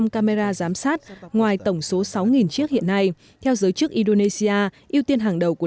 năm camera giám sát ngoài tổng số sáu chiếc hiện nay theo giới chức indonesia ưu tiên hàng đầu của